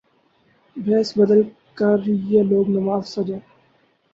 بھیس بدل کریہ لوگ نماز فجر